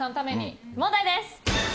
問題です。